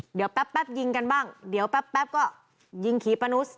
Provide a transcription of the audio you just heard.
เดี๋ยวแป๊บยิงกันบ้างเดี๋ยวแป๊บก็ยิงขี่ปะนุษย์